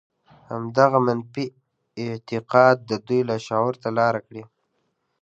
همدغه منفي اعتقاد د دوی لاشعور ته لاره کړې